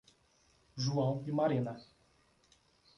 João e Marina